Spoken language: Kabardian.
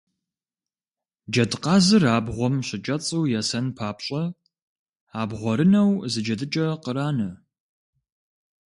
Джэдкъазыр абгъуэм щыкӏэцӏу есэн папщӏэ, абгъуэрынэу зы джэдыкӏэ къранэ.